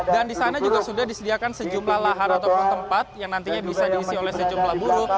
dan di sana juga sudah disediakan sejumlah lahar ataupun tempat yang nantinya bisa diisi oleh sejumlah buruh